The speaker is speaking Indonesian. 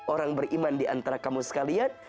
orang beriman diantara kamu sekalian